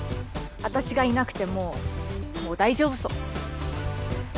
私がいなくてももう大丈夫そう。